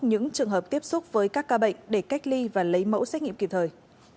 những trường hợp tiếp xúc với các ca bệnh để cách ly và lấy mẫu xét nghiệm kịp thời